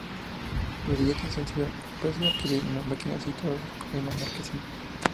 Los billetes sencillos se pueden adquirir en las máquinas situadas en las marquesinas.